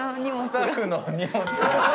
スタッフの荷物。